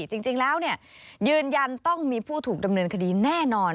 จริงแล้วยืนยันต้องมีผู้ถูกดำเนินคดีแน่นอน